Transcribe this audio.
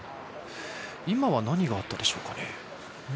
何があったでしょうかね。